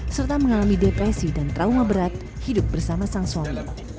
serta mengalami depresi dan trauma berat hidup bersama sang suami